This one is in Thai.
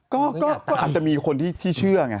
ก็อาจจะมีคนที่เชื่อไง